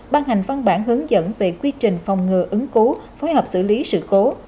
ban hành văn bản hướng dẫn về quy trình phòng ngừa ứng cứu phối hợp xử lý sự cố